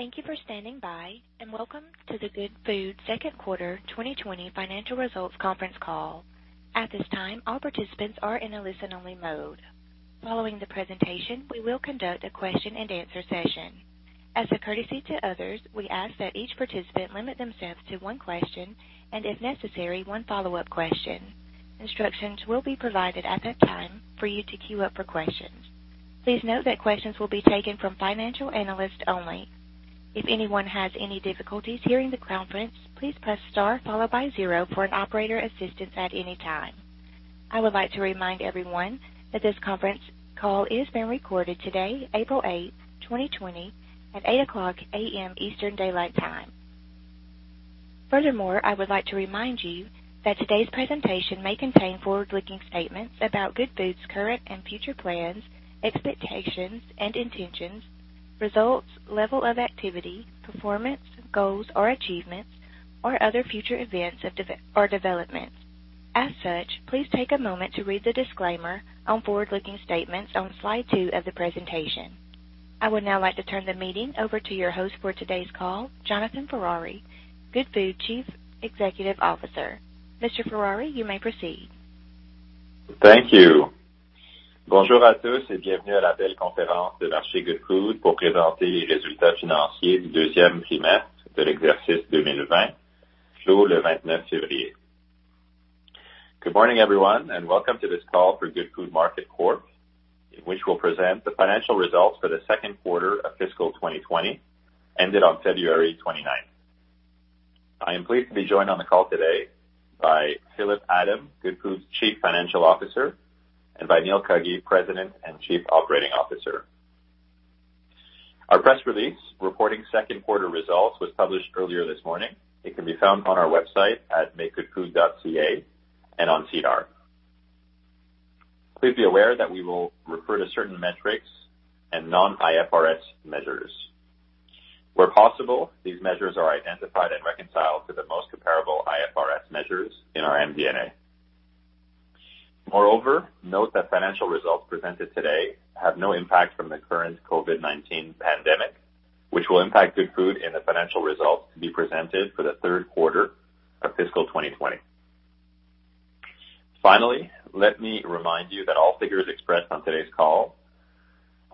Thank you for standing by, and welcome to the Goodfood second quarter 2020 financial results conference call. At this time, all participants are in a listen-only mode. Following the presentation, we will conduct a question and answer session. As a courtesy to others, we ask that each participant limit themselves to one question, and if necessary, one follow-up question. Instructions will be provided at that time for you to queue up for questions. Please note that questions will be taken from financial analysts only. If anyone has any difficulties hearing the conference, please press star followed by zero for an operator assistance at any time. I would like to remind everyone that this conference call is being recorded today, April 8th, 2020, at 8:00 A.M. Eastern Daylight Time. Furthermore, I would like to remind you that today's presentation may contain forward-looking statements about Goodfood's current and future plans, expectations, and intentions, results, level of activity, performance, goals, or achievements, or other future events or developments. As such, please take a moment to read the disclaimer on forward-looking statements on slide two of the presentation. I would now like to turn the meeting over to your host for today's call, Jonathan Ferrari, Goodfood Chief Executive Officer. Mr. Ferrari, you may proceed. Thank you. Good morning, everyone, and welcome to this call for Goodfood Market Corp, in which we'll present the financial results for the second quarter of fiscal 2020 ended on February 29th. I am pleased to be joined on the call today by Philippe Adam, Goodfood's Chief Financial Officer, and by Neil Cuggy, President and Chief Operating Officer. Our press release reporting second quarter results was published earlier this morning. It can be found on our website at makegoodfood.ca and on SEDAR. Please be aware that we will refer to certain metrics and non-IFRS measures. Where possible, these measures are identified and reconciled to the most comparable IFRS measures in our MD&A. Moreover, note that financial results presented today have no impact from the current COVID-19 pandemic, which will impact Goodfood in the financial results to be presented for the third quarter of fiscal 2020. Finally, let me remind you that all figures expressed on today's call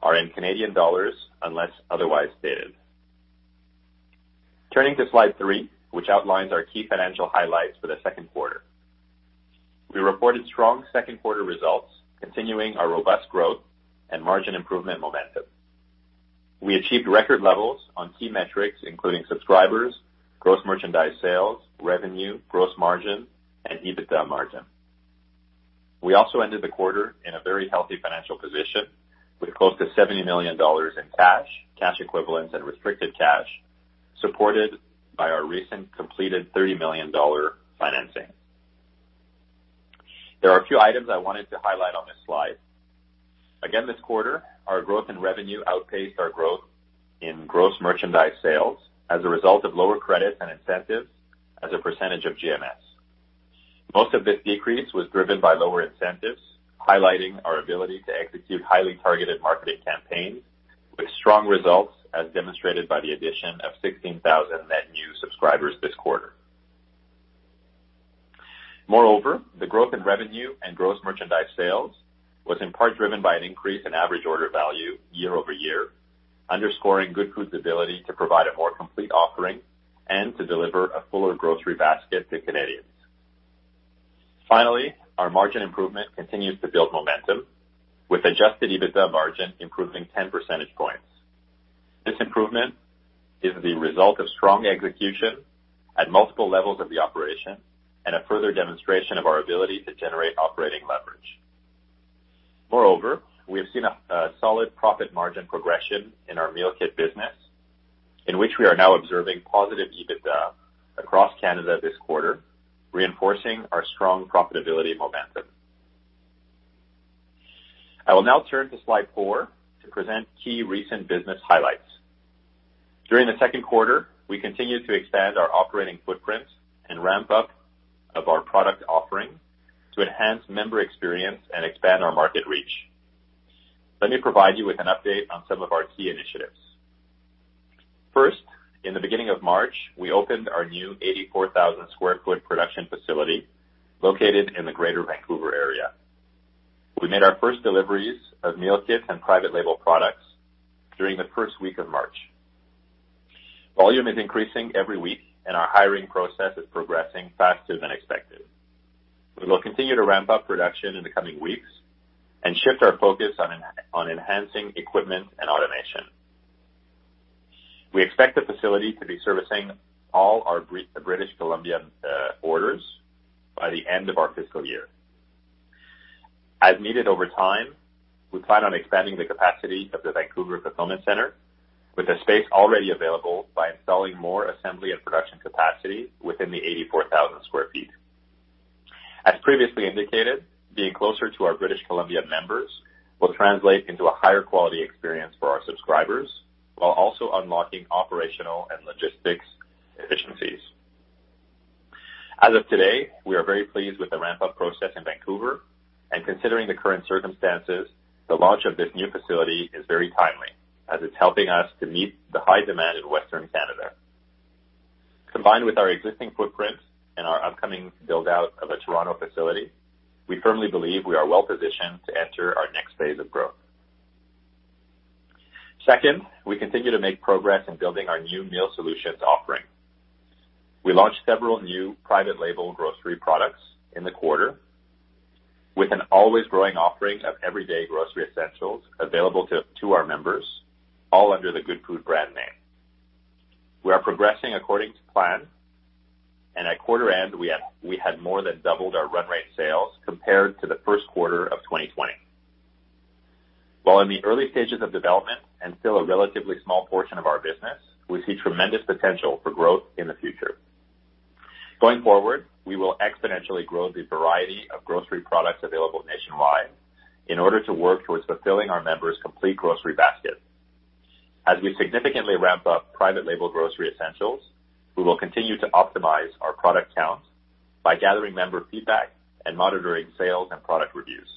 are in Canadian dollars unless otherwise stated. Turning to slide three, which outlines our key financial highlights for the second quarter. We reported strong second quarter results, continuing our robust growth and margin improvement momentum. We achieved record levels on key metrics including subscribers, gross merchandise sales, revenue, gross margin, and EBITDA margin. We also ended the quarter in a very healthy financial position with close to 70 million dollars in cash equivalents, and restricted cash, supported by our recent completed 30 million dollar financing. There are a few items I wanted to highlight on this slide. Again, this quarter, our growth in revenue outpaced our growth in gross merchandise sales as a result of lower credits and incentives as a percentage of GMS. Most of this decrease was driven by lower incentives, highlighting our ability to execute highly targeted marketing campaigns with strong results, as demonstrated by the addition of 16,000 net new subscribers this quarter. Moreover, the growth in revenue and gross merchandise sales was in part driven by an increase in average order value year-over-year, underscoring Goodfood's ability to provide a more complete offering and to deliver a fuller grocery basket to Canadians. Finally, our margin improvement continues to build momentum with Adjusted EBITDA margin improving 10 percentage points. This improvement is the result of strong execution at multiple levels of the operation and a further demonstration of our ability to generate operating leverage. Moreover, we have seen a solid profit margin progression in our meal kit business, in which we are now observing positive EBITDA across Canada this quarter, reinforcing our strong profitability momentum. I will now turn to slide four to present key recent business highlights. During the second quarter, we continued to expand our operating footprint and ramp up of our product offering to enhance member experience and expand our market reach. Let me provide you with an update on some of our key initiatives. First, in the beginning of March, we opened our new 84,000 square foot production facility located in the Greater Vancouver area. We made our first deliveries of meal kits and private label products during the first week of March. Volume is increasing every week, and our hiring process is progressing faster than expected. We will continue to ramp up production in the coming weeks and shift our focus on enhancing equipment and automation. We expect the facility to be servicing all our British Columbian orders by the end of our fiscal year. As needed over time, we plan on expanding the capacity of the Vancouver fulfillment center with the space already available by installing more assembly and production capacity within the 84,000 sq ft. As previously indicated, being closer to our British Columbia members will translate into a higher quality experience for our subscribers while also unlocking operational and logistics efficiencies. As of today, we are very pleased with the ramp-up process in Vancouver, and considering the current circumstances, the launch of this new facility is very timely as it's helping us to meet the high demand in Western Canada. Combined with our existing footprint and our upcoming build-out of a Toronto facility, we firmly believe we are well-positioned to enter our next phase of growth. Second, we continue to make progress in building our new meal solutions offering. We launched several new private label grocery products in the quarter with an always growing offering of everyday grocery essentials available to our members, all under the Goodfood brand name. We are progressing according to plan, and at quarter end, we had more than doubled our run rate sales compared to the first quarter of 2020. While in the early stages of development and still a relatively small portion of our business, we see tremendous potential for growth in the future. Going forward, we will exponentially grow the variety of grocery products available nationwide in order to work towards fulfilling our members' complete grocery basket. As we significantly ramp up private label grocery essentials, we will continue to optimize our product count by gathering member feedback and monitoring sales and product reviews.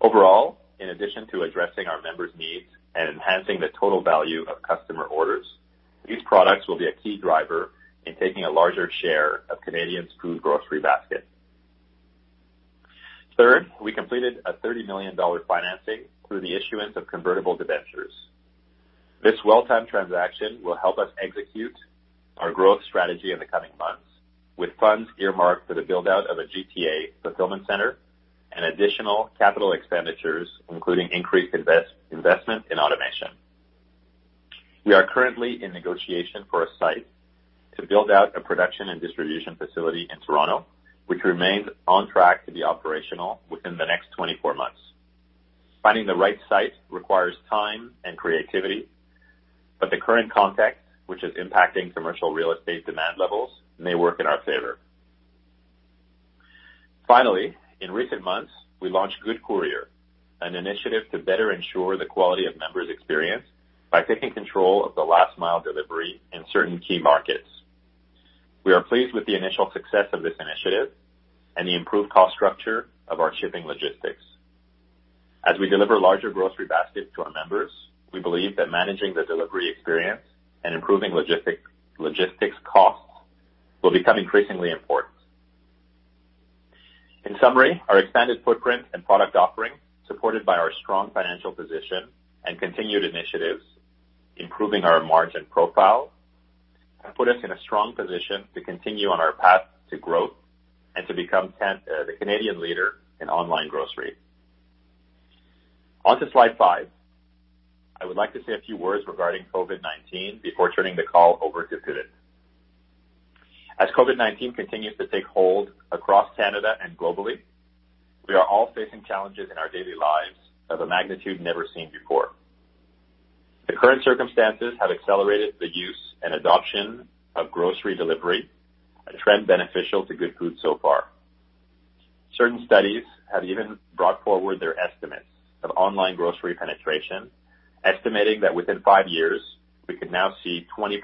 Overall, in addition to addressing our members' needs and enhancing the total value of customer orders, these products will be a key driver in taking a larger share of Canadians' food grocery basket. Third, we completed a 30 million dollar financing through the issuance of convertible debentures. This well-timed transaction will help us execute our growth strategy in the coming months, with funds earmarked for the build-out of a GTA fulfillment center and additional capital expenditures, including increased investment in automation. We are currently in negotiation for a site to build out a production and distribution facility in Toronto, which remains on track to be operational within the next 24 months. Finding the right site requires time and creativity, but the current context, which is impacting commercial real estate demand levels, may work in our favor. Finally, in recent months, we launched Good Courier, an initiative to better ensure the quality of members' experience by taking control of the last-mile delivery in certain key markets. We are pleased with the initial success of this initiative and the improved cost structure of our shipping logistics. As we deliver larger grocery baskets to our members, we believe that managing the delivery experience and improving logistics costs will become increasingly important. In summary, our expanded footprint and product offering, supported by our strong financial position and continued initiatives improving our margin profile, have put us in a strong position to continue on our path to growth and to become the Canadian leader in online grocery. Onto slide five. I would like to say a few words regarding COVID-19 before turning the call over to Philippe. As COVID-19 continues to take hold across Canada and globally, we are all facing challenges in our daily lives of a magnitude never seen before. The current circumstances have accelerated the use and adoption of grocery delivery, a trend beneficial to Goodfood so far. Certain studies have even brought forward their estimates of online grocery penetration, estimating that within five years, we could now see 20%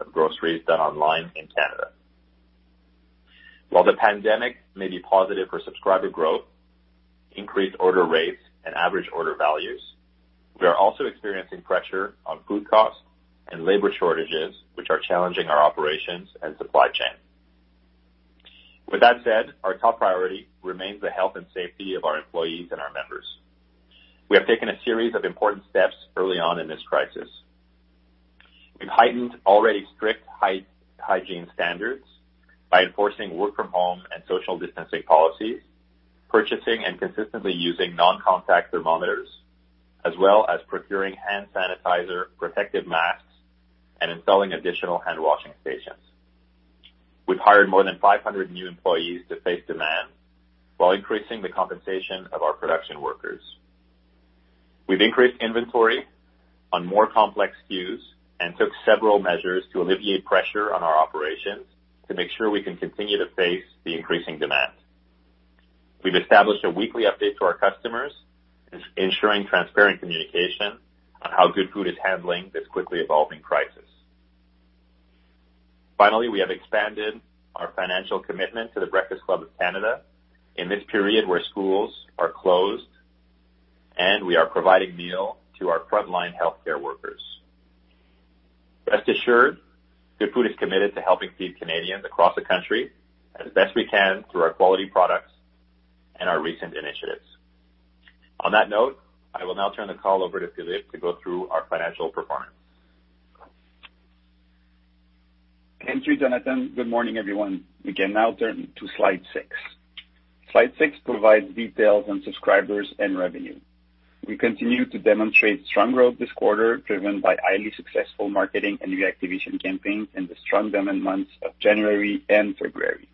of groceries done online in Canada. While the pandemic may be positive for subscriber growth, increased order rates, and average order values, we are also experiencing pressure on food costs and labor shortages, which are challenging our operations and supply chain. Our top priority remains the health and safety of our employees and our members. We have taken a series of important steps early on in this crisis. We've heightened already strict hygiene standards by enforcing work from home and social distancing policies, purchasing and consistently using non-contact thermometers, as well as procuring hand sanitizer, protective masks, and installing additional handwashing stations. We've hired more than 500 new employees to face demand while increasing the compensation of our production workers. We've increased inventory on more complex SKUs and took several measures to alleviate pressure on our operations to make sure we can continue to face the increasing demand. We've established a weekly update to our customers, ensuring transparent communication on how Goodfood is handling this quickly evolving crisis. Finally, we have expanded our financial commitment to the Breakfast Club of Canada in this period where schools are closed, and we are providing meals to our frontline healthcare workers. Rest assured, Goodfood is committed to helping feed Canadians across the country as best we can through our quality products and our recent initiatives. On that note, I will now turn the call over to Philippe to go through our financial performance. Thank you, Jonathan. Good morning, everyone. We can now turn to slide six. Slide six provides details on subscribers and revenue. We continue to demonstrate strong growth this quarter, driven by highly successful marketing and reactivation campaigns in the strong demand months of January and February.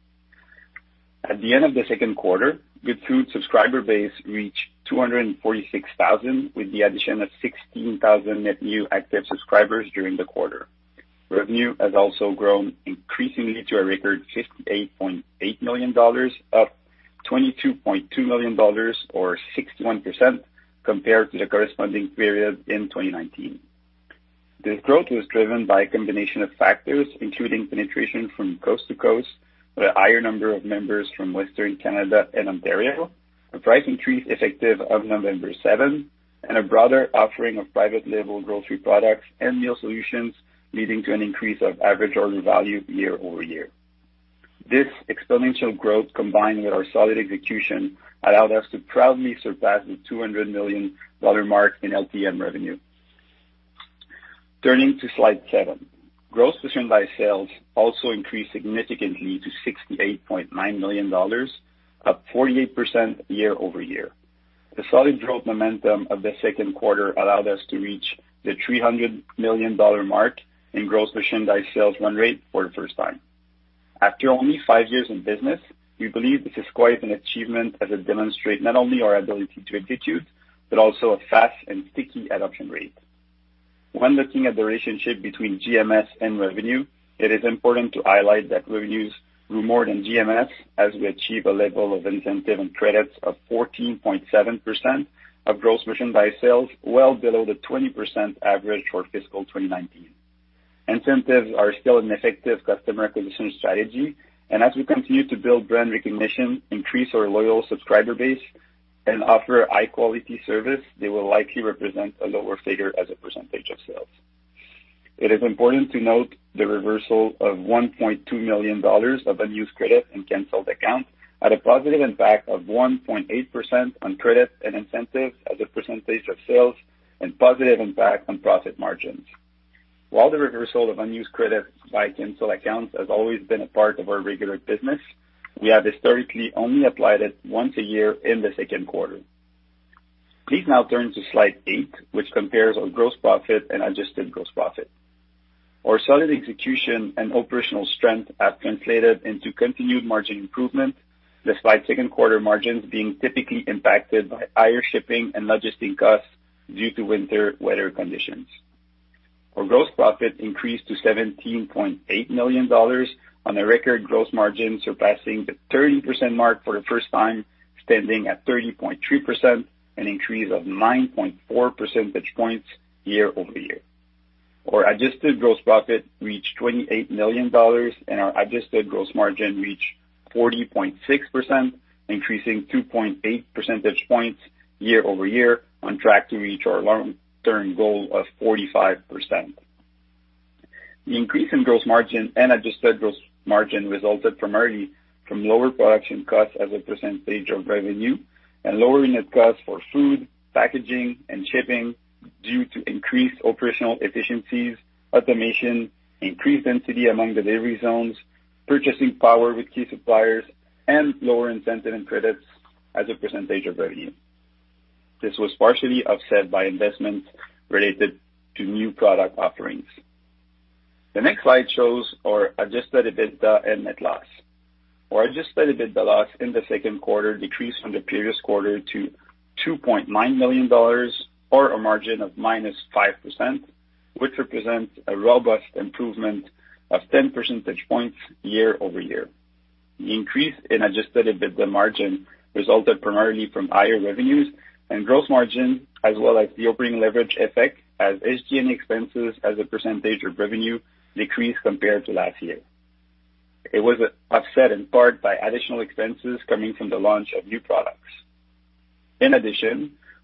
At the end of the second quarter, Goodfood subscriber base reached 246,000, with the addition of 16,000 net new active subscribers during the quarter. Revenue has also grown increasingly to a record CAD 58.8 million, up CAD 22.2 million, or 61%, compared to the corresponding period in 2019. This growth was driven by a combination of factors, including penetration from coast to coast with a higher number of members from Western Canada and Ontario, a price increase effective of November 7, and a broader offering of private label grocery products and meal solutions, leading to an increase of average order value year-over-year. This exponential growth, combined with our solid execution, allowed us to proudly surpass the 200 million dollar mark in LTM revenue. Turning to slide seven. Gross merchandise sales also increased significantly to 68.9 million dollars, up 48% year-over-year. The solid growth momentum of the second quarter allowed us to reach the 300 million dollar mark in gross merchandise sales run rate for the first time. After only five years in business, we believe this is quite an achievement as it demonstrates not only our ability to execute, but also a fast and sticky adoption rate. When looking at the relationship between GMS and revenue, it is important to highlight that revenues grew more than GMS as we achieve a level of incentive and credits of 14.7% of gross merchandise sales, well below the 20% average for fiscal 2019. Incentives are still an effective customer acquisition strategy. As we continue to build brand recognition, increase our loyal subscriber base, and offer high-quality service, they will likely represent a lower figure as a percentage of sales. It is important to note the reversal of 1.2 million dollars of unused credit in canceled accounts had a positive impact of 1.8% on credit and incentive as a percentage of sales and positive impact on profit margins. While the reversal of unused credit by cancel accounts has always been a part of our regular business, we have historically only applied it once a year in the second quarter. Please now turn to slide eight, which compares our gross profit and adjusted gross profit. Our solid execution and operational strength have translated into continued margin improvement, despite second quarter margins being typically impacted by higher shipping and logistic costs due to winter weather conditions. Our gross profit increased to 17.9 million dollars on a record gross margin, surpassing the 30% mark for the first time, standing at 30.3%, an increase of 9.4 percentage points year-over-year. Our adjusted gross profit reached 28 million dollars, and our adjusted gross margin reached 40.6%, increasing 2.8 percentage points year-over-year on track to reach our long-term goal of 45%. The increase in gross margin and adjusted gross margin resulted primarily from lower production costs as a percentage of revenue and lower net costs for food, packaging, and shipping due to increased operational efficiencies, automation, increased density among the delivery zones, purchasing power with key suppliers, and lower incentive and credits as a percentage of revenue. This was partially offset by investments related to new product offerings. The next slide shows our adjusted EBITDA and net loss. Our Adjusted EBITDA loss in the second quarter decreased from the previous quarter to 2.9 million dollars, or a margin of -5%, which represents a robust improvement of 10 percentage points year-over-year. The increase in Adjusted EBITDA margin resulted primarily from higher revenues and gross margin, as well as the operating leverage effect as SG&A expenses as a percentage of revenue decreased compared to last year. It was offset in part by additional expenses coming from the launch of new products.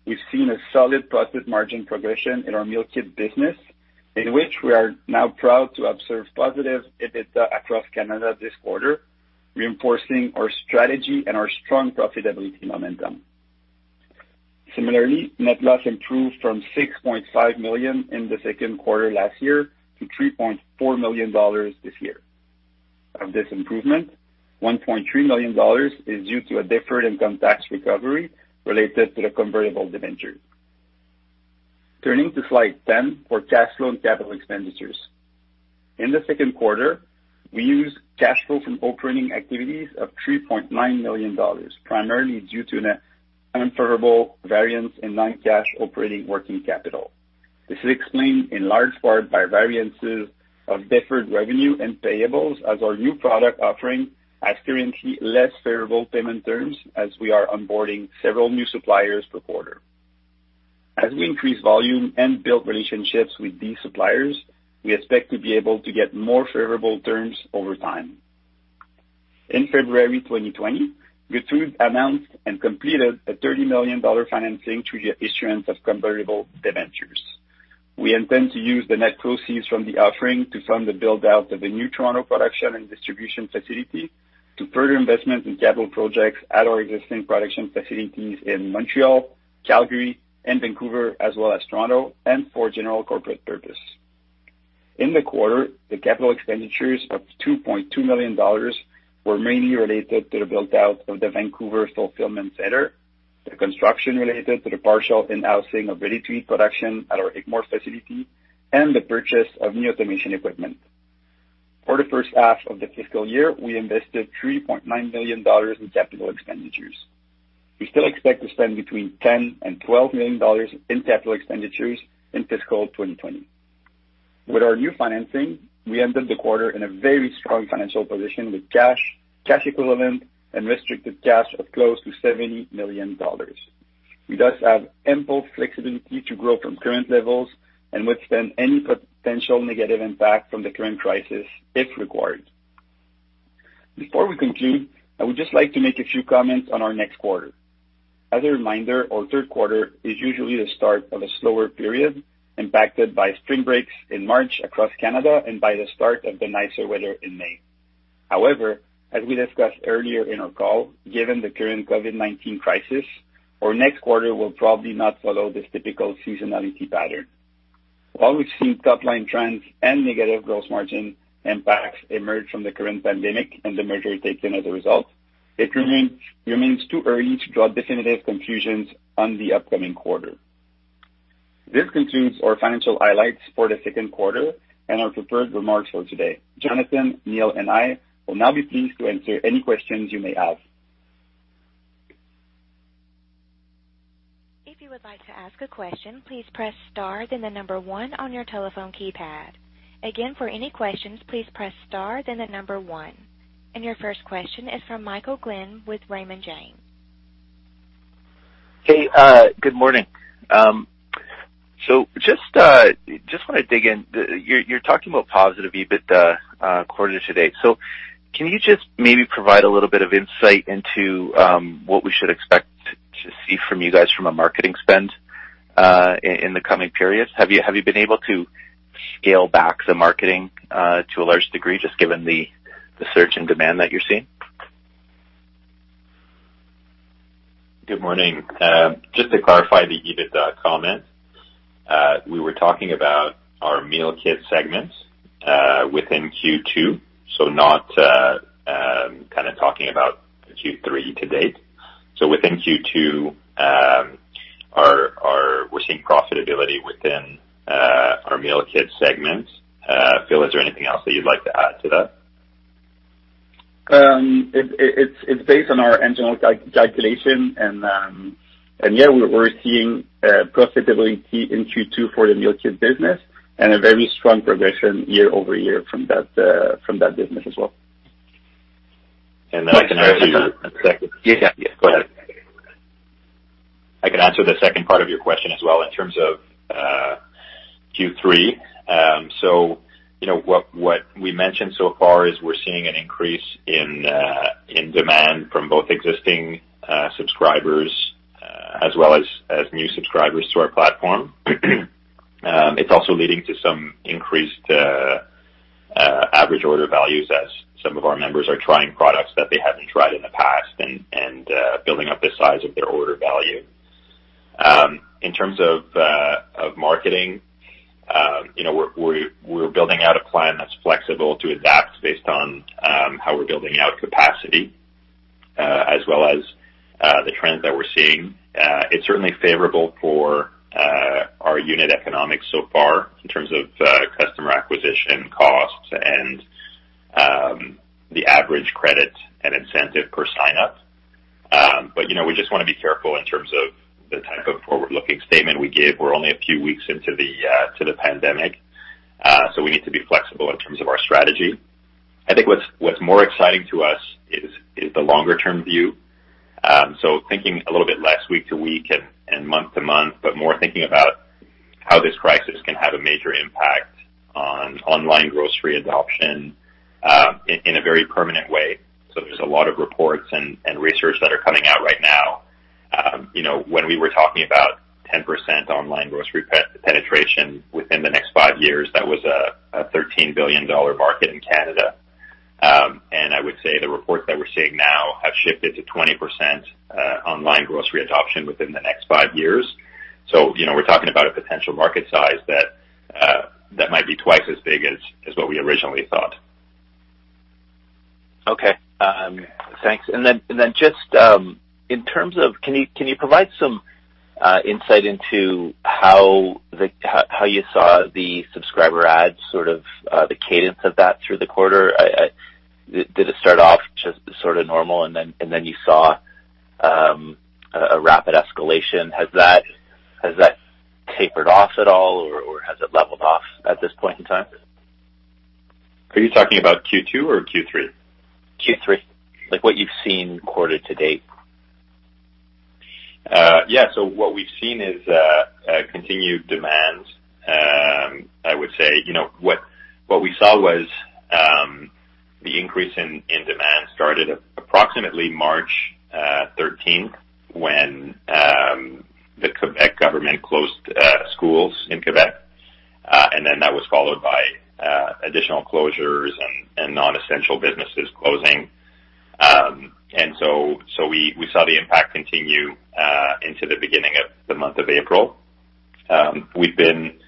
We've seen a solid profit margin progression in our meal kit business, in which we are now proud to observe positive EBITDA across Canada this quarter, reinforcing our strategy and our strong profitability momentum. Net loss improved from 6.5 million in the second quarter last year to 3.4 million dollars this year. Of this improvement, 1.3 million dollars is due to a deferred income tax recovery related to the convertible debenture. Turning to slide 10 for cash flow and capital expenditures. In the second quarter, we used cash flow from operating activities of 3.9 million dollars, primarily due to an unfavorable variance in non-cash operating working capital. This is explained in large part by variances of deferred revenue and payables as our new product offering experienced less favorable payment terms as we are onboarding several new suppliers per quarter. As we increase volume and build relationships with these suppliers, we expect to be able to get more favorable terms over time. In February 2020, Goodfood announced and completed a 30 million dollar financing through the issuance of convertible debentures. We intend to use the net proceeds from the offering to fund the build-out of the new Toronto production and distribution facility to further investment in capital projects at our existing production facilities in Montreal, Calgary, and Vancouver, as well as Toronto, and for general corporate purpose. In the quarter, the capital expenditures of 2.2 million dollars were mainly related to the build-out of the Vancouver fulfillment center, the construction related to the partial in-housing of ready-to-eat production at our Hickmore facility, and the purchase of new automation equipment. For the first half of the fiscal year, we invested 3.9 million dollars in capital expenditures. We still expect to spend between 10 million and 12 million dollars in capital expenditures in fiscal 2020. With our new financing, we ended the quarter in a very strong financial position with cash equivalent, and restricted cash of close to 70 million dollars. We thus have ample flexibility to grow from current levels and withstand any potential negative impact from the current crisis if required. Before we conclude, I would just like to make a few comments on our next quarter. As a reminder, our third quarter is usually the start of a slower period, impacted by spring breaks in March across Canada and by the start of the nicer weather in May. However, as we discussed earlier in our call, given the current COVID-19 crisis, our next quarter will probably not follow this typical seasonality pattern. While we've seen top-line trends and negative gross margin impacts emerge from the current pandemic and the measures taken as a result, it remains too early to draw definitive conclusions on the upcoming quarter. This concludes our financial highlights for the second quarter and our prepared remarks for today. Jonathan, Neil, and I will now be pleased to answer any questions you may have. If you would like to ask a question, please press star then the number one on your telephone keypad. Again, for any questions, please press star then the number one. Your first question is from Michael Glen with Raymond James. Hey, good morning. Just want to dig in. You are talking about positive EBITDA quarter to date. Can you just maybe provide a little bit of insight into what we should expect to see from you guys from a marketing spend in the coming periods? Have you been able to scale back the marketing to a large degree, just given the surge in demand that you are seeing? Good morning. Just to clarify the EBITDA comment, we were talking about our meal kit segments within Q2, so not talking about Q3 to date. Within Q2, we're seeing profitability within our meal kit segments. Phil, is there anything else that you'd like to add to that? It's based on our general calculation. Yeah, we're seeing profitability in Q2 for the meal kit business and a very strong progression year-over-year from that business as well. Then I can answer. Yeah. Yes, go ahead. I can answer the second part of your question as well in terms of Q3. What we mentioned so far is we're seeing an increase in demand from both existing subscribers as well as new subscribers to our platform. It's also leading to some increased average order values as some of our members are trying products that they hadn't tried in the past and building up the size of their order value. In terms of marketing, we're building out a plan that's flexible to adapt based on how we're building out capacity, as well as the trends that we're seeing. It's certainly favorable for our unit economics so far in terms of customer acquisition costs and the average credit and incentive per sign-up. We just want to be careful in terms of the type of forward-looking statement we give. We're only a few weeks into the pandemic, so we need to be flexible in terms of our strategy. I think what's more exciting to us is the longer-term view. Thinking a little bit less week to week and month to month, but more thinking about how this crisis can have a major impact on online grocery adoption in a very permanent way. There's a lot of reports and research that are coming out right now. When we were talking about 10% online grocery penetration within the next five years, that was a 13 billion dollar market in Canada. I would say the reports that we're seeing now have shifted to 20% online grocery adoption within the next five years. We're talking about a potential market size that might be twice as big as what we originally thought. Okay, thanks. Just in terms of, can you provide some insight into how you saw the subscriber adds, sort of the cadence of that through the quarter? Did it start off just sort of normal and then you saw a rapid escalation? Has that tapered off at all or has it leveled off at this point in time? Are you talking about Q2 or Q3? Q3, like what you've seen quarter to date. Yeah. What we've seen is a continued demand. I would say, what we saw was the increase in demand started approximately March 13th when the Quebec government closed schools in Quebec. That was followed by additional closures and non-essential businesses closing. We saw the impact continue into the beginning of the month of April. We've been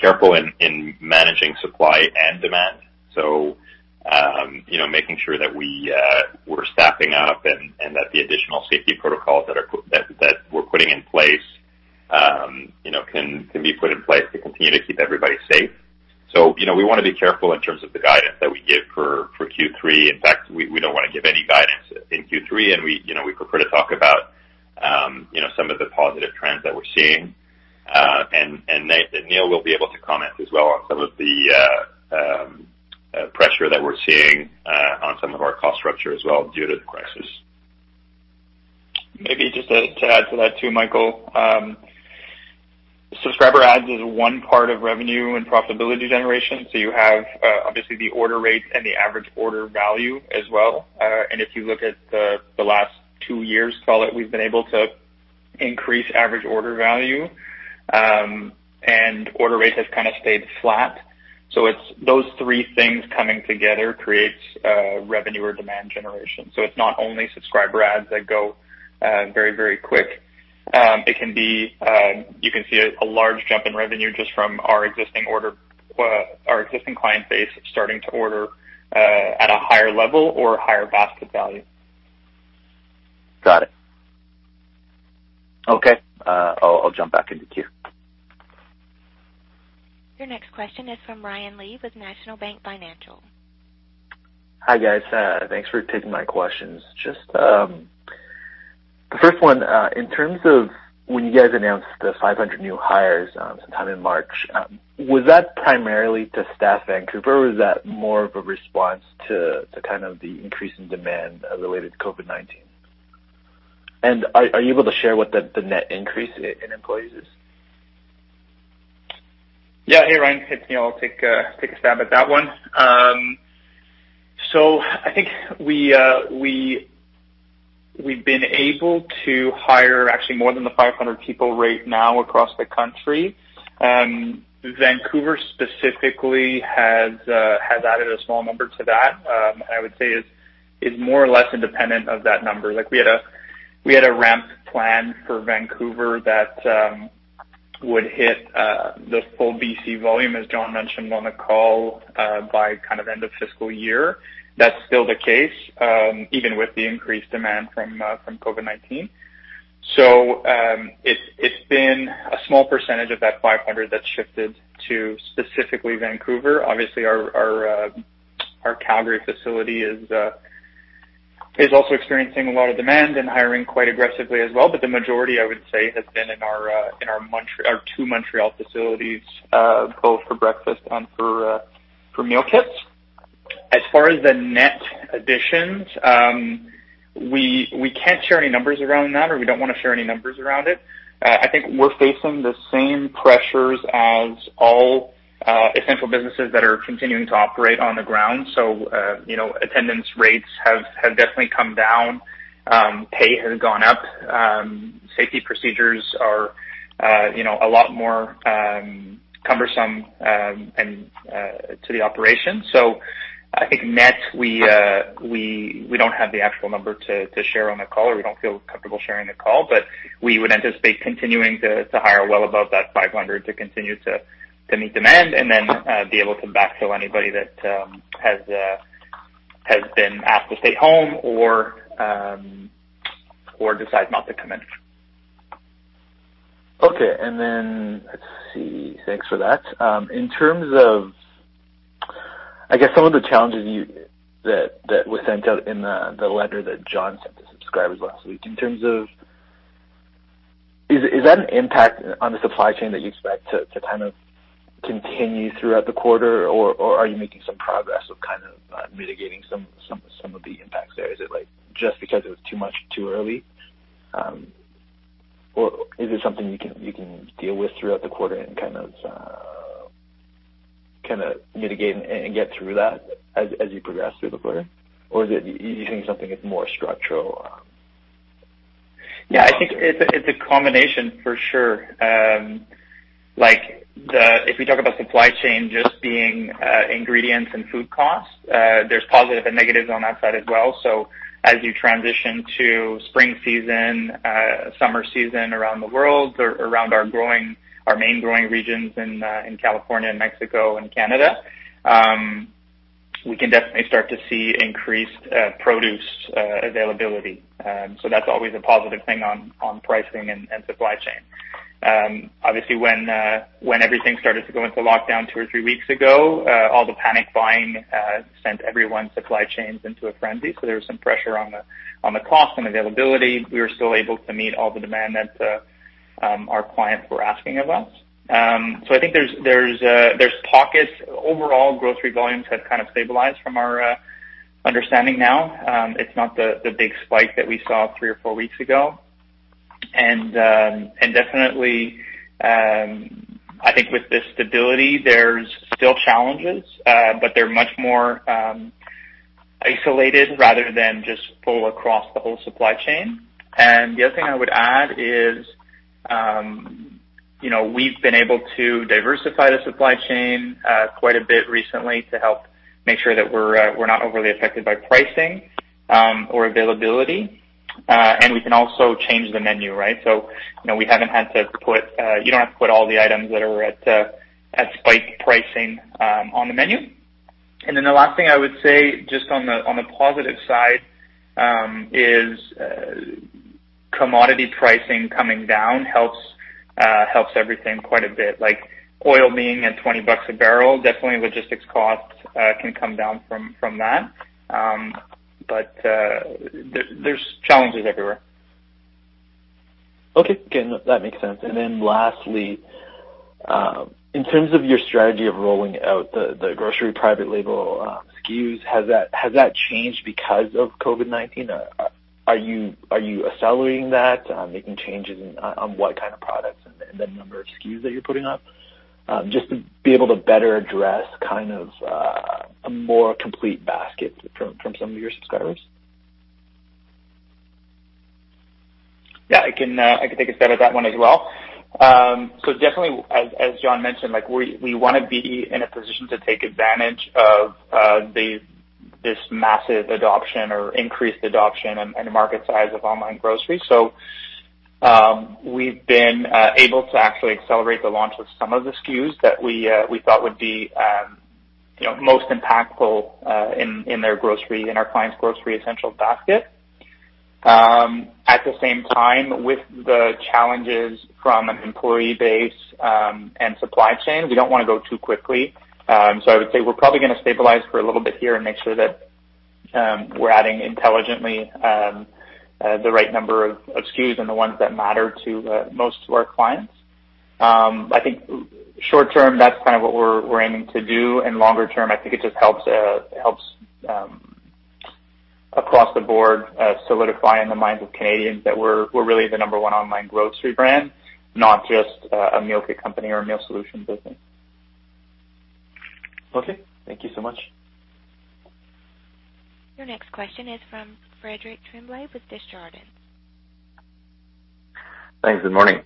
careful in managing supply and demand. Making sure that we're staffing up and that the additional safety protocols that we're putting in place can be put in place to continue to keep everybody safe. We want to be careful in terms of the guidance that we give for Q3. In fact, we don't want to give any guidance in Q3, and we prefer to talk about some of the positive trends that we're seeing. Neil will be able to comment as well on some of our cost structure as well due to the crisis. Maybe just to add to that too, Michael. Subscriber adds is one part of revenue and profitability generation. You have, obviously, the order rates and the average order value as well. If you look at the last two years, call it, we've been able to increase average order value, and order rate has kind of stayed flat. It's those three things coming together creates revenue or demand generation. It's not only subscriber adds that go very, very quick. You can see a large jump in revenue just from our existing client base starting to order at a higher level or higher basket value. Got it. Okay. I'll jump back into queue. Your next question is from Ryan Lee with National Bank Financial. Hi, guys. Thanks for taking my questions. Just the first one, in terms of when you guys announced the 500 new hires sometime in March, was that primarily to staff Vancouver, or was that more of a response to the increase in demand related to COVID-19? Are you able to share what the net increase in employees is? Hey, Ryan. It's me. I'll take a stab at that one. I think we've been able to hire actually more than the 500 people right now across the country. Vancouver specifically has added a small number to that, I would say is more or less independent of that number. We had a ramp plan for Vancouver that would hit the full BC volume, as John mentioned on the call, by end of fiscal year. That's still the case, even with the increased demand from COVID-19. It's been a small percentage of that 500 that's shifted to specifically Vancouver. Obviously, our Calgary facility is also experiencing a lot of demand and hiring quite aggressively as well. The majority, I would say, has been in our two Montreal facilities, both for breakfast and for meal kits. As far as the net additions, we can't share any numbers around that, or we don't want to share any numbers around it. I think we're facing the same pressures as all essential businesses that are continuing to operate on the ground. Attendance rates have definitely come down. Pay has gone up. Safety procedures are a lot more cumbersome to the operation. I think net, we don't have the actual number to share on the call, or we don't feel comfortable sharing the call, but we would anticipate continuing to hire well above that 500 to continue to meet demand and then be able to backfill anybody that has been asked to stay home or decides not to come in. Okay. Then, let's see. Thanks for that. In terms of, I guess, some of the challenges that were sent out in the letter that John sent to subscribers last week, in terms of, is that an impact on the supply chain that you expect to kind of continue throughout the quarter, or are you making some progress with kind of mitigating some of the impacts there? Is it just because it was too much, too early? Is it something you can deal with throughout the quarter and kind of mitigate and get through that as you progress through the quarter? Do you think it's something more structural? Yeah, I think it's a combination for sure. If we talk about supply chain just being ingredients and food costs, there's positives and negatives on that side as well. As you transition to spring season, summer season around the world, around our main growing regions in California and Mexico and Canada, we can definitely start to see increased produce availability. That's always a positive thing on pricing and supply chain. Obviously, when everything started to go into lockdown two or three weeks ago, all the panic buying sent everyone's supply chains into a frenzy. There was some pressure on the cost and availability. We were still able to meet all the demand that our clients were asking of us. I think there's pockets. Overall, grocery volumes have kind of stabilized from our understanding now. It's not the big spike that we saw three or four weeks ago. Definitely, I think with the stability, there's still challenges, but they're much more isolated rather than just full across the whole supply chain. The other thing I would add is we've been able to diversify the supply chain quite a bit recently to help make sure that we're not overly affected by pricing or availability. We can also change the menu, right? You don't have to put all the items that are at spike pricing on the menu. The last thing I would say, just on the positive side, is commodity pricing coming down helps everything quite a bit. Like oil being at 20 bucks a barrel, definitely logistics costs can come down from that. There's challenges everywhere. Okay. Again, that makes sense. Then lastly, in terms of your strategy of rolling out the grocery private label SKUs, has that changed because of COVID-19? Are you accelerating that, making changes on what kind of products and the number of SKUs that you're putting up, just to be able to better address kind of a more complete basket from some of your subscribers? I can take a stab at that one as well. Definitely, as John mentioned, we want to be in a position to take advantage of this massive adoption or increased adoption and market size of online grocery. We've been able to actually accelerate the launch of some of the SKUs that we thought would be most impactful in our client's grocery essential basket. At the same time, with the challenges from an employee base and supply chain, we don't want to go too quickly. I would say we're probably going to stabilize for a little bit here and make sure that we're adding intelligently the right number of SKUs and the ones that matter most to our clients. I think short term, that's kind of what we're aiming to do. Longer term, I think it just helps across the board solidifying the minds of Canadians that we're really the number one online grocery brand, not just a meal kit company or a meal solution business. Okay. Thank you so much. Your next question is from Frederic Tremblay with Desjardins. Thanks. Good morning.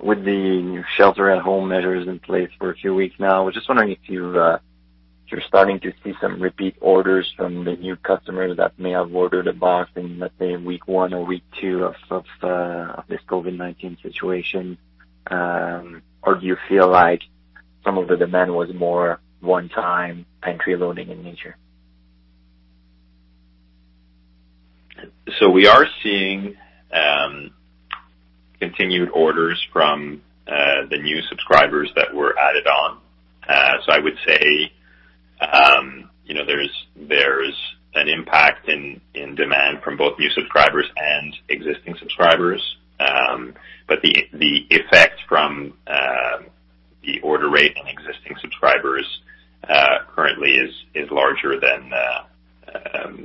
With the shelter at home measures in place for a few weeks now, I was just wondering if you're starting to see some repeat orders from the new customers that may have ordered a box in, let's say, week one or week two of this COVID-19 situation. Do you feel like some of the demand was more one-time pantry loading in nature? We are seeing continued orders from the new subscribers that were added on. I would say there's an impact in demand from both new subscribers and existing subscribers. The effect from the order rate on existing subscribers currently is larger than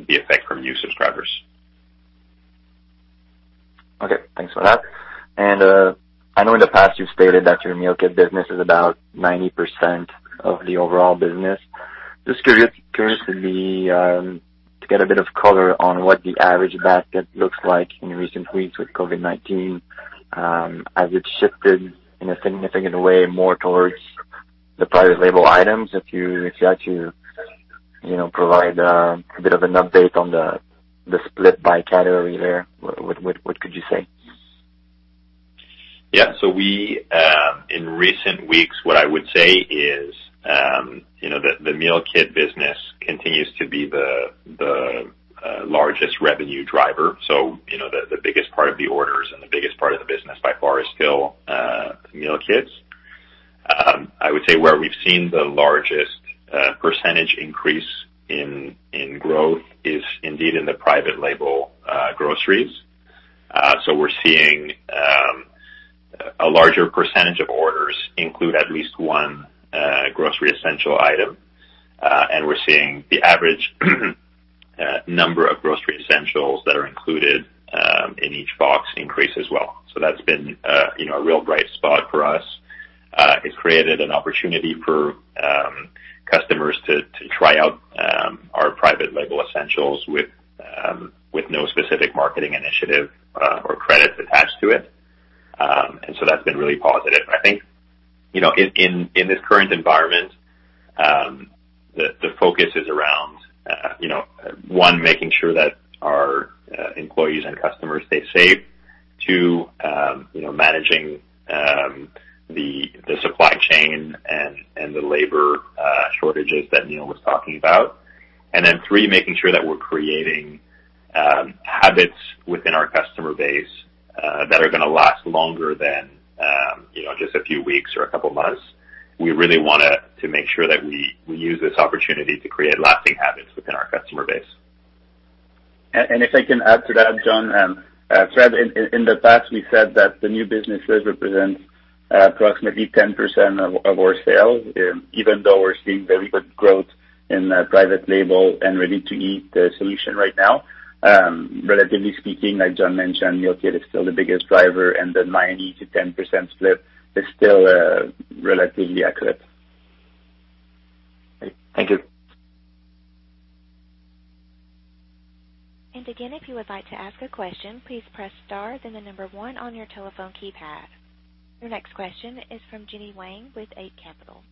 the effect from new subscribers. Okay, thanks for that. I know in the past you've stated that your meal kit business is about 90% of the overall business. Just curiously to get a bit of color on what the average basket looks like in recent weeks with COVID-19, has it shifted in a significant way more towards the private label items? If you had to provide a bit of an update on the split by category there, what could you say? Yeah. In recent weeks, what I would say is the meal kit business continues to be the largest revenue driver. The biggest part of the orders and the biggest part of the business by far is still meal kits. I would say where we've seen the largest percentage increase in growth is indeed in the private label groceries. We're seeing a larger percentage of orders include at least one grocery essential item. We're seeing the average number of grocery essentials that are included in each box increase as well. That's been a real bright spot for us. It's created an opportunity for customers to try out our private label essentials with no specific marketing initiative or credits attached to it. That's been really positive. I think in this current environment, the focus is around, one, making sure that our employees and customers stay safe. Two, managing the supply chain and the labor shortages that Neil was talking about. Three, making sure that we're creating habits within our customer base that are going to last longer than just a few weeks or a couple of months. We really want to make sure that we use this opportunity to create lasting habits within our customer base. If I can add to that, John. Fred, in the past, we said that the new business does represent approximately 10% of our sales, even though we're seeing very good growth in private label and ready-to-eat solution right now. Relatively speaking, like John mentioned, meal kit is still the biggest driver, and the 90-10% split is still relatively accurate. Thank you. Again, if you would like to ask a question, please press star, then the number one on your telephone keypad. Your next question is from Jenny Wang with Eight Capital.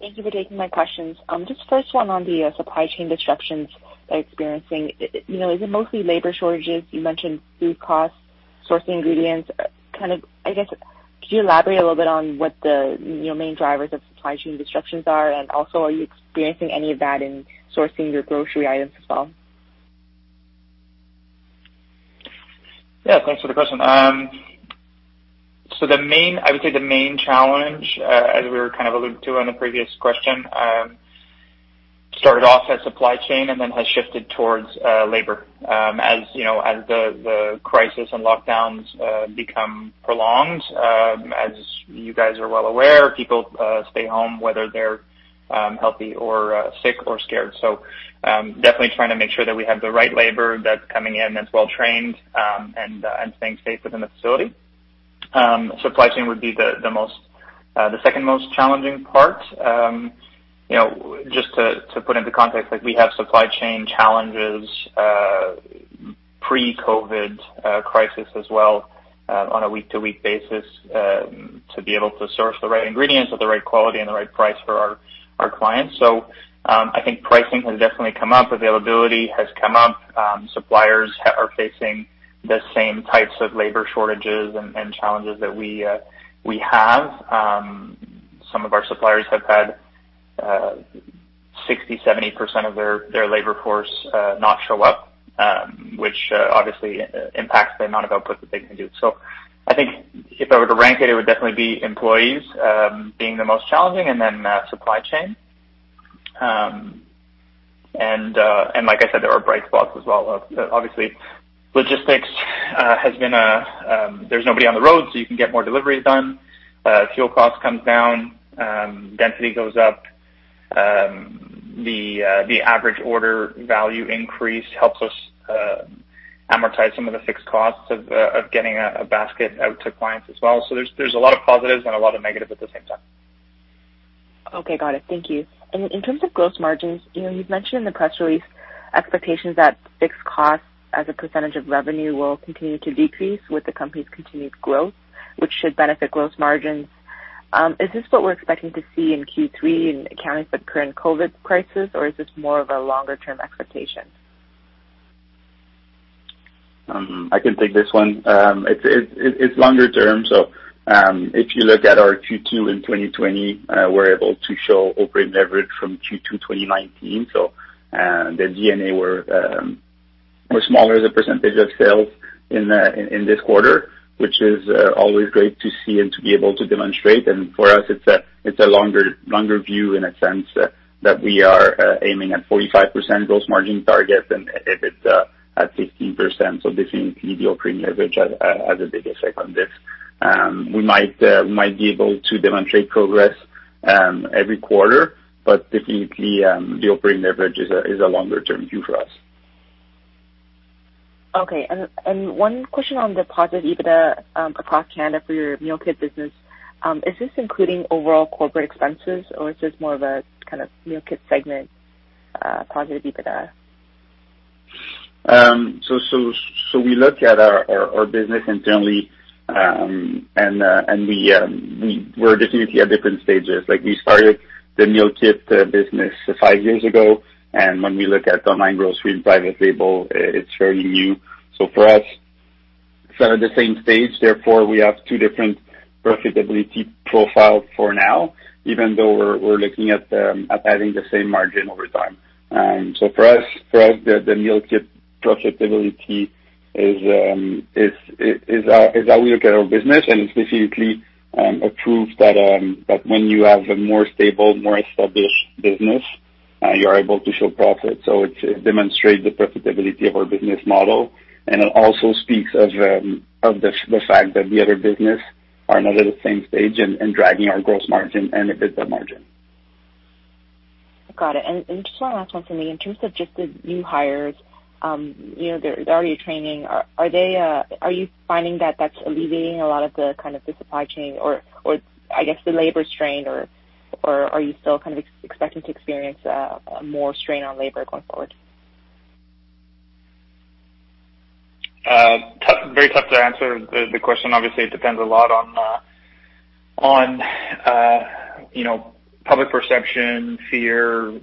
Thank you for taking my questions. Just first one on the supply chain disruptions that you're experiencing. Is it mostly labor shortages? You mentioned food costs, sourcing ingredients. I guess, could you elaborate a little bit on what the main drivers of supply chain disruptions are? Also, are you experiencing any of that in sourcing your grocery items as well? Thanks for the question. I would say the main challenge, as we were kind of alluding to on the previous question, started off as supply chain and then has shifted towards labor. As the crisis and lockdowns become prolonged, as you guys are well aware, people stay home whether they're healthy or sick or scared. Definitely trying to make sure that we have the right labor that's coming in, that's well-trained, and staying safe within the facility. Supply chain would be the second most challenging part. Just to put into context, we have supply chain challenges pre-COVID crisis as well on a week-to-week basis to be able to source the right ingredients at the right quality and the right price for our clients. I think pricing has definitely come up. Availability has come up. Suppliers are facing the same types of labor shortages and challenges that we have. Some of our suppliers have had 60%, 70% of their labor force not show up, which obviously impacts the amount of output that they can do. I think if I were to rank it would definitely be employees being the most challenging and then supply chain. Like I said, there are bright spots as well. Obviously, logistics has been. There's nobody on the road, so you can get more deliveries done. Fuel cost comes down, density goes up. The average order value increase helps us amortize some of the fixed costs of getting a basket out to clients as well. There's a lot of positives and a lot of negatives at the same time. Okay, got it. Thank you. In terms of gross margins, you've mentioned in the press release expectations that fixed costs as a percentage of revenue will continue to decrease with the company's continued growth, which should benefit gross margins. Is this what we're expecting to see in Q3 in accounting for the current COVID-19 crisis, or is this more of a longer-term expectation? I can take this one. It's longer term. If you look at our Q2 in 2020, we're able to show operating leverage from Q2 2019. The G&A were smaller as a percentage of sales in this quarter, which is always great to see and to be able to demonstrate. For us, it's a longer view in a sense that we are aiming at 45% gross margin target and EBITDA at 15%. Definitely, the operating leverage has a big effect on this. We might be able to demonstrate progress every quarter, but definitely, the operating leverage is a longer-term view for us. Okay. One question on positive EBITDA across Canada for your meal kit business? Is this including overall corporate expenses, or is this more of a kind of meal kit segment positive EBITDA? We look at our business internally, and we're definitely at different stages. We started the meal kit business five years ago, and when we look at online grocery and private label, it's fairly new. For us, it's not at the same stage, therefore, we have two different profitability profiles for now, even though we're looking at adding the same margin over time. For us, the meal kit profitability is how we look at our business, and it's definitely a proof that when you have a more stable, more established business, you're able to show profit. It demonstrates the profitability of our business model, and it also speaks of the fact that the other business are not at the same stage and dragging our gross margin and EBITDA margin. Got it. Just one last one for me. In terms of just the new hires, they're already training, are you finding that that's alleviating a lot of the supply chain or, I guess, the labor strain, or are you still kind of expecting to experience more strain on labor going forward? Very tough to answer the question. Obviously, it depends a lot on public perception, fear.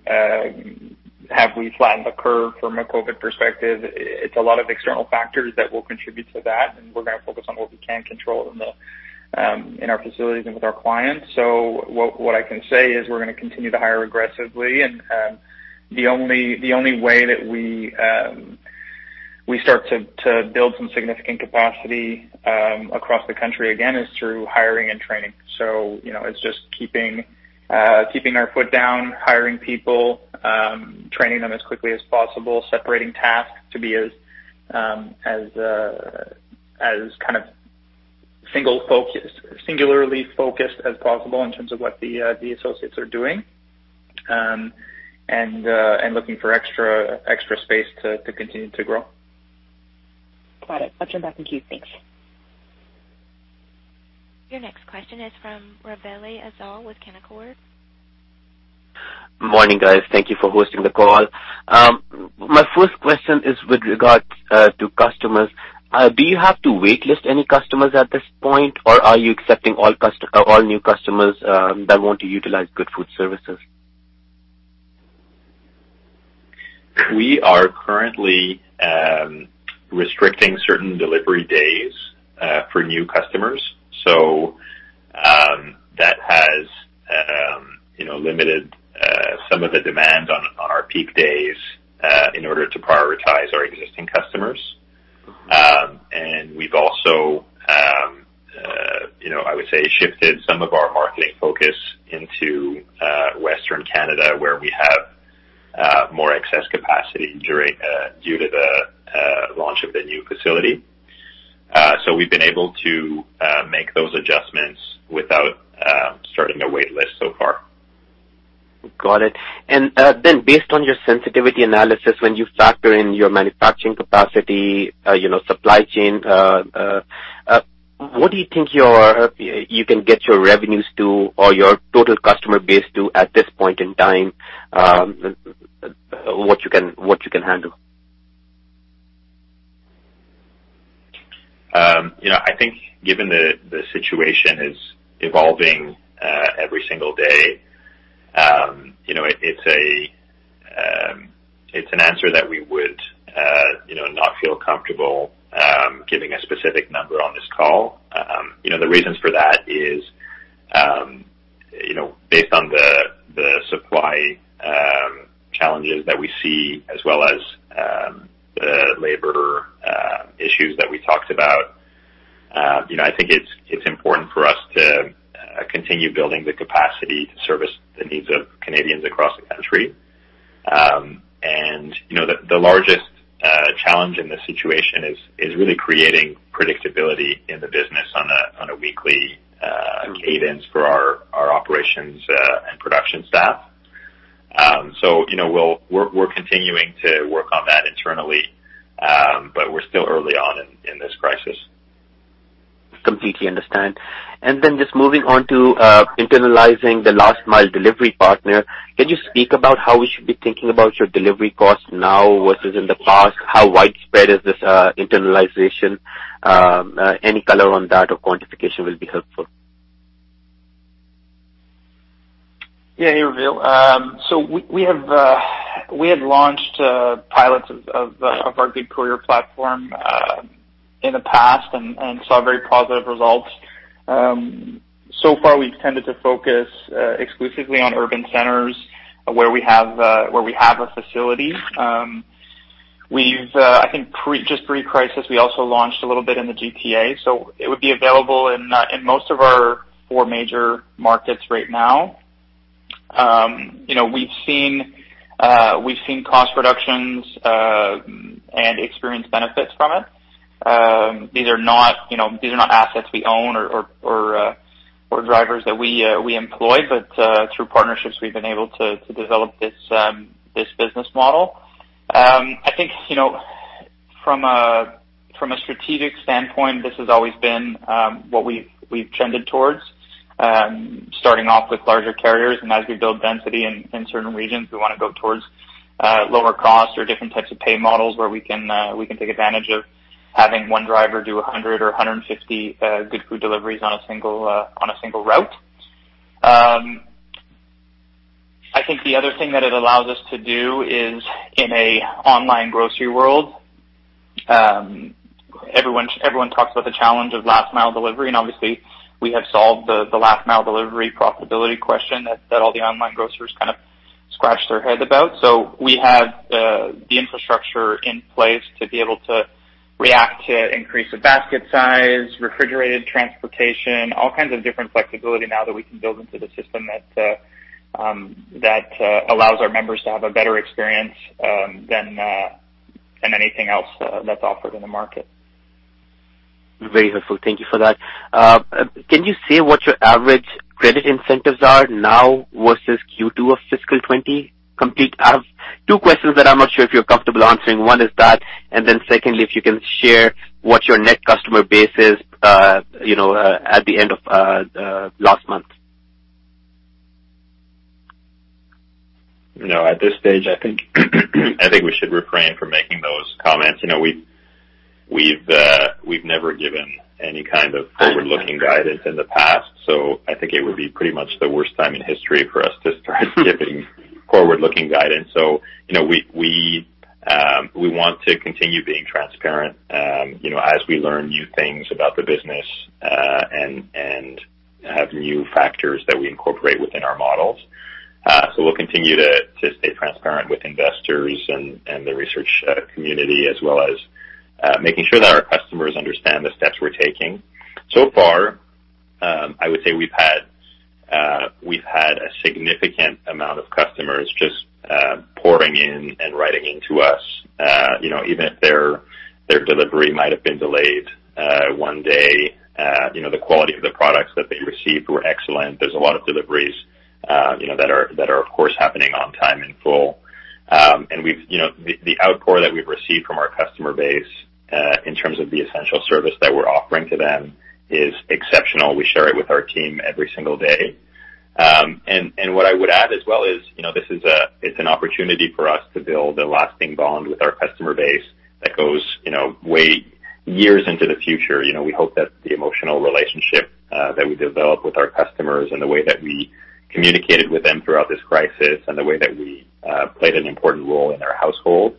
Have we flattened the curve from a COVID-19 perspective? It's a lot of external factors that will contribute to that, and we're going to focus on what we can control in our facilities and with our clients. What I can say is we're going to continue to hire aggressively, and the only way that we start to build some significant capacity across the country again is through hiring and training. It's just keeping our foot down, hiring people, training them as quickly as possible, separating tasks to be as kind of singularly focused as possible in terms of what the associates are doing, and looking for extra space to continue to grow. Got it. I'll jump back in queue. Thanks. Your next question is from Raveel Afzaal with Canaccord. Morning, guys. Thank you for hosting the call. My first question is with regard to customers. Do you have to waitlist any customers at this point, or are you accepting all new customers that want to utilize Goodfood services? We are currently restricting certain delivery days for new customers. That has limited some of the demand on our peak days marketing focus into Western Canada where we have more excess capacity due to the launch of the new facility. We've been able to make those adjustments without starting a wait list so far. Got it. Based on your sensitivity analysis, when you factor in your manufacturing capacity, supply chain, what do you think you can get your revenues to or your total customer base to at this point in time? What you can handle. I think given the situation is evolving every single day, it's an answer that we would not feel comfortable giving a specific number on this call. The reasons for that is based on the supply challenges that we see as well as the labor issues that we talked about. I think it's important for us to continue building the capacity to service the needs of Canadians across the country. The largest challenge in this situation is really creating predictability in the business on a weekly cadence for our operations and production staff. We're continuing to work on that internally, but we're still early on in this crisis. Completely understand. Just moving on to internalizing the last-mile delivery partner, can you speak about how we should be thinking about your delivery cost now versus in the past? How widespread is this internalization? Any color on that or quantification will be helpful. Neil. We had launched pilots of our Good Courier platform in the past and saw very positive results. Far we've tended to focus exclusively on urban centers where we have a facility. We've, I think, just pre-crisis, we also launched a little bit in the GTA. It would be available in most of our four major markets right now. We've seen cost reductions and experienced benefits from it. These are not assets we own or drivers that we employ, but through partnerships, we've been able to develop this business model. I think from a strategic standpoint, this has always been what we've trended towards, starting off with larger carriers, and as we build density in certain regions, we want to go towards lower cost or different types of pay models where we can take advantage of having one driver do 100-150 Goodfood deliveries on a single route. I think the other thing that it allows us to do is in an online grocery world, everyone talks about the challenge of last mile delivery, and obviously we have solved the last mile delivery profitability question that all the online grocers kind of scratch their head about. We have the infrastructure in place to be able to react to increase of basket size, refrigerated transportation, all kinds of different flexibility now that we can build into the system that allows our members to have a better experience than anything else that's offered in the market. Very helpful. Thank you for that. Can you say what your average credit incentives are now versus Q2 of fiscal 2020? I have two questions that I'm not sure if you're comfortable answering. One is that, and then secondly, if you can share what your net customer base is at the end of last month. No, at this stage, I think we should refrain from making those comments. We've never given any kind of forward-looking guidance in the past, so I think it would be pretty much the worst time in history for us to start giving forward-looking guidance. We want to continue being transparent as we learn new things about the business and have new factors that we incorporate within our models. We'll continue to stay transparent with investors and the research community as well as making sure that our customers understand the steps we're taking. So far, I would say we've had a significant amount of customers just pouring in and writing in to us. Even if their delivery might have been delayed one day, the quality of the products that they received were excellent. There's a lot of deliveries that are, of course, happening on time in full. The outpour that we've received from our customer base in terms of the essential service that we're offering to them is exceptional. We share it with our team every single day. What I would add as well is it's an opportunity for us to build a lasting bond with our customer base that goes way years into the future. We hope that the emotional relationship that we develop with our customers and the way that we communicated with them throughout this crisis and the way that we played an important role in their household,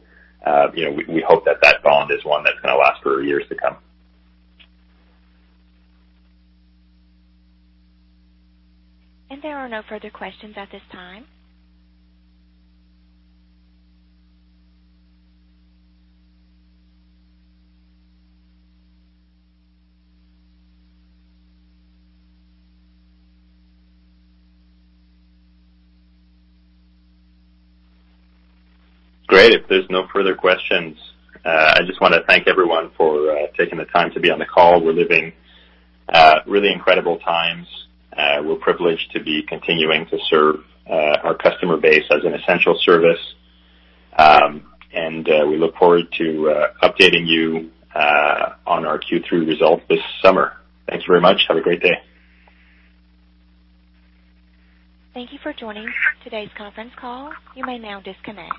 we hope that that bond is one that's going to last for years to come. There are no further questions at this time. Great. If there's no further questions, I just want to thank everyone for taking the time to be on the call. We're living really incredible times. We're privileged to be continuing to serve our customer base as an essential service. We look forward to updating you on our Q3 results this summer. Thanks very much. Have a great day. Thank you for joining today's conference call. You may now disconnect.